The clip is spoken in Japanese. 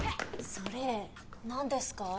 それ何ですか？